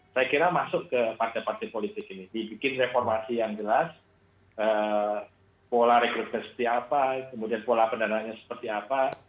saya kira masuk ke partai partai politik ini dibikin reformasi yang jelas pola rekrutmen seperti apa kemudian pola pendanaannya seperti apa